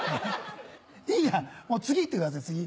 いいやもう次行ってください次。